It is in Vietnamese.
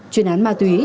chuyên án ma túy